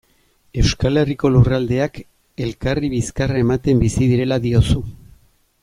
Euskal Herriko lurraldeak elkarri bizkarra ematen bizi direla diozu.